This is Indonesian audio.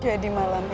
jadi malam itu